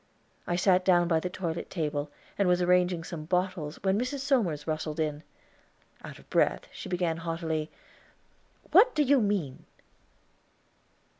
I sat down by the toilet table and was arranging some bottles, when Mrs. Somers rustled in. Out of breath, she began haughtily: "What do you mean?"